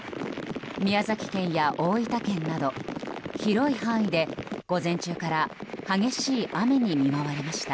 宮崎県や大分県など広い範囲で午前中から激しい雨に見舞われました。